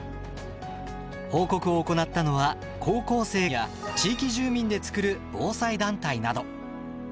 報告を行ったのは高校生や地域住民で作る防災団体など。